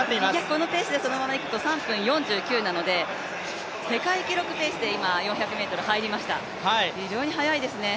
このペースでそのままいくと３分４９なので、世界記録ペースで今４００ｍ入りました、非常に速いですね。